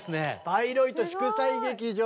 バイロイト祝祭劇場